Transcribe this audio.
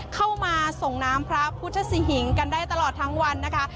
เข้ามาส่งน้ำพระพุทธสิหิงกันได้ตลอดทั้งวันนะคะ